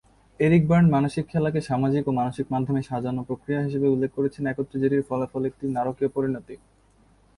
Eric Berne মানসিক খেলাকে সামাজিক ও মানসিক মাধ্যমে সাজানো প্রক্রিয়া হিসেবে উল্লেখ করেছেন একত্রে যেটির ফলাফল একটি নাটকীয় পরিণতি।